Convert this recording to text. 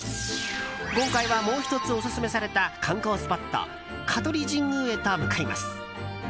今回は、もう１つオススメされた観光スポット香取神宮へと向かいます。